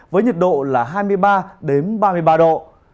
với nhiệt độ là hai mươi ba ba mươi ba độ